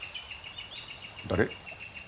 誰？